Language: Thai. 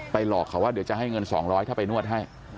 หลอกเขาว่าเดี๋ยวจะให้เงิน๒๐๐ถ้าไปนวดให้